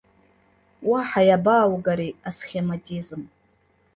Уаҳа иабааугари асхематизм!